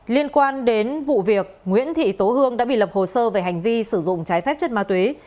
liên quan đến vụ việc nguyễn thị tố hương đã bị lập hồ sơ về hành vi sử dụng trái phép chất ma túy